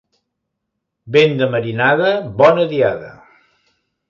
Vent de marinada, bona diada.